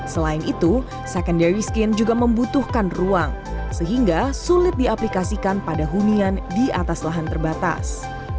selain itu secondary skin juga membutuhkan ruang sehingga sulit diaplikasikan pada hunian di atas lahan terbatas